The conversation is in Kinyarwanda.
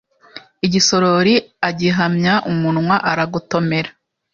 igisorori agihamya umunwa aragotomera